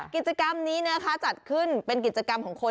กิจกรรมนี้นะคะจัดขึ้นเป็นกิจกรรมของคน